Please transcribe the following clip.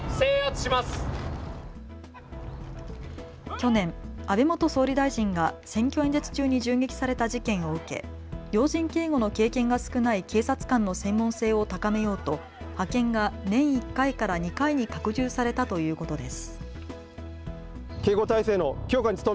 去年、安倍元総理大臣が選挙演説中に銃撃された事件を受け、要人警護の経験が少ない警察官の専門性を高めようと派遣が年１回から２回に拡充されたということです。